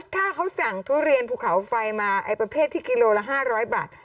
ถ้าเขาสั่งทุเรียนภูเขาไฟมาไอ้ประเภทที่กิโลละ๕๐๐บาท